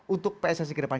untuk pssi ke depan